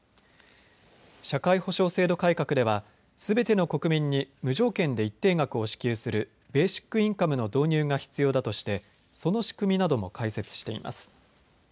社会保障制度改革ではすべての国民に無条件で一定額を支給するベーシックインカムの導入が必要だとしてその仕組みなども解説しています。